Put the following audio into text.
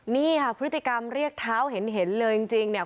นี่ค่ะพฤติกรรมเรียกเท้าเห็นเลยจริงเนี่ย